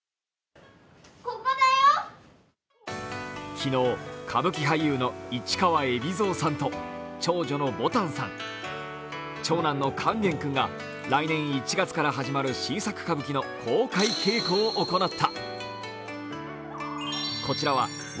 昨日、歌舞伎俳優の市川海老蔵さんと長女のぼたんさん長男の勸玄君が来年１月から始まる新作歌舞伎の公開稽古を行った。